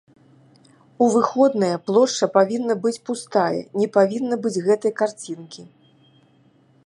У выходныя плошча павінна быць пустая, не павінна быць гэтай карцінкі.